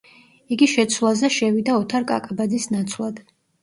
იგი შეცვლაზე შევიდა ოთარ კაკაბაძის ნაცვლად.